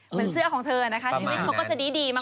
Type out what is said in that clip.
เหมือนเสื้อของเธอนะคะชีวิตเขาก็จะดีมาก